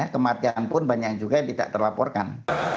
kematian pun banyak juga yang tidak terlaporkan